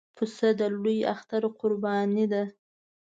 پسه د لوی اختر قرباني ده.